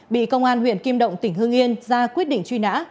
bị công an huyện kim động tỉnh hương yên ra quyết định truy nã